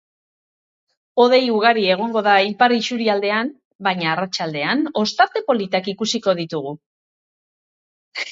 Hodei ugari egongo da ipar isurialdean, baina arratsaldean ostarte politak ikusiko ditugu.